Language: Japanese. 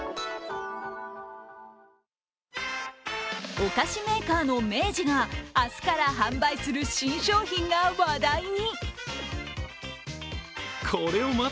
お菓子メーカーの明治が明日から販売する新商品が話題に。